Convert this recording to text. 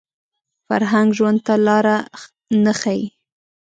فرهنګ ژوند ته لاره نه ښيي